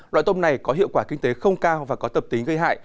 loại tôm này có hiệu quả kinh tế không cao và có tập tính gây hại